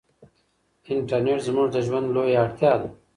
انټرنيټ زموږ د ژوند لویه اړتیا ده.